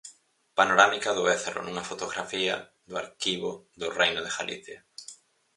Panorámica do Ézaro nunha fotografía do arquivo do Reino de Galicia.